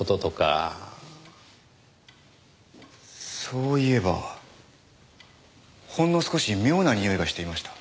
そういえばほんの少し妙なにおいがしていました。